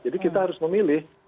jadi kita harus memilih